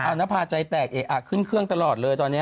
ออนภาษณ์ใจแตกขึ้นเครื่องตลอดเลยตอนนี้